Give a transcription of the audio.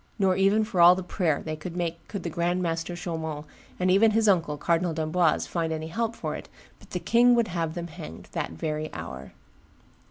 'Nor even for all the prayer they could make could the grand master Chaumont, and even his uncle, Cardinal d'Amboise, find any help for it, but the king would have them hanged that very hour."